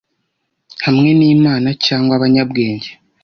hamwe nimana cyangwa Abanyabwenge